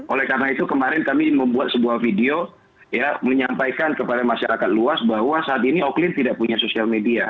oleh karena itu kemarin kami membuat sebuah video menyampaikan kepada masyarakat luas bahwa saat ini oklin tidak punya sosial media